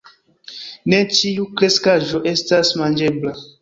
Ne ĉiu kreskaĵo estas manĝebla.